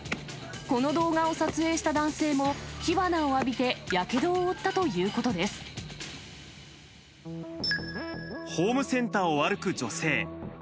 この動画を撮影した男性も、火花を浴びてやけどを負ったといホームセンターを歩く女性。